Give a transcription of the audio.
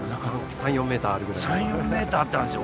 ３４ｍあったんですよ。